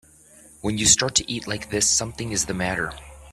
When you start to eat like this something is the matter.